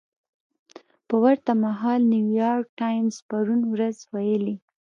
په ورته مهال نیویارک ټایمز پرون ورځ ویلي